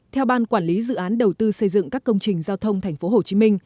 theo ban quản lý dự án đầu tư xây dựng các công trình giao thông tp hcm